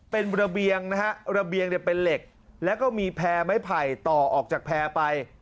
เป็นระเบียงนะฮะระเบียงเนี่ยเป็นเหล็กแล้วก็มีแพร่ไม้ไผ่ต่อออกจากแพร่ไป